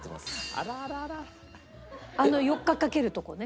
あの４日かけるとこね。